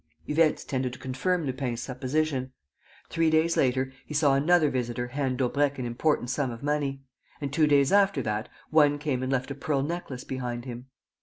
Events tended to confirm Lupin's supposition. Three days later he saw another visitor hand Daubrecq an important sum of money. And, two days after that, one came and left a pearl necklace behind him.